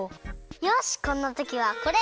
よしこんなときはこれ！